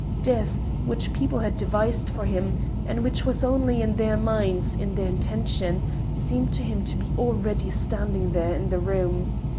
Death, which people had devised for him, and which was only in their minds, in their intention, seemed to him to be already standing there in the room.